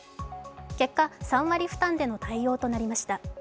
結果３割負担での対応となりました。